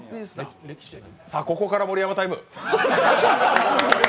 ここから盛山タイム！